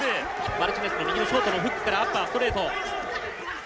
「マルチネスの右のショートのフックからアッパーストレート」。